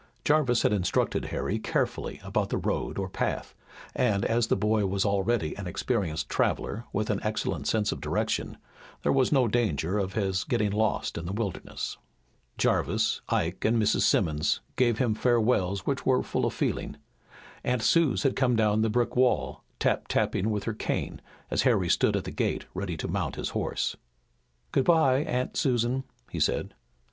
Jarvis had instructed Harry carefully about the road or path, and as the boy was already an experienced traveler with an excellent sense of direction, there was no danger of his getting lost in the wilderness. Jarvis, Ike, and Mrs. Simmons gave him farewells which were full of feeling. Aunt Suse had come down the brick walk, tap tapping with her cane, as Harry stood at the gate ready to mount his horse. "Good bye, Aunt Susan," he said.